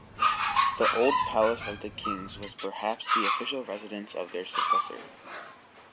The old palace of the kings was perhaps the official residence of their successor.